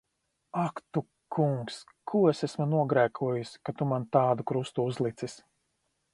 Ak tu Kungs! Ko es esmu nogrēkojusi, ka tu man tādu krustu uzlicis!